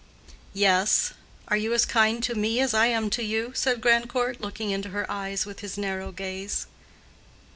"Yes. Are you as kind to me as I am to you?" said Grandcourt, looking into her eyes with his narrow gaze.